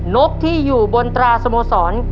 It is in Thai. นกที่อยู่บนตราสโมสร